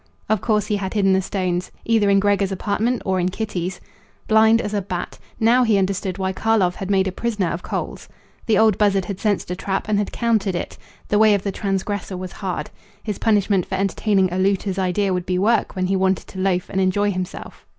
Of course he had hidden the stones either in Gregor's apartment or in Kitty's. Blind as a bat. Now he understood why Karlov had made a prisoner of Coles. The old buzzard had sensed a trap and had countered it. The way of the transgressor was hard. His punishment for entertaining a looter's idea would be work when he wanted to loaf and enjoy himself.